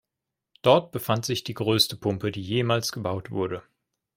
Dort befand sich die größte Pumpe, die jemals gebaut wurde.